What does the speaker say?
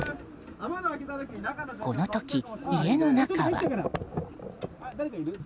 この時、家の中は。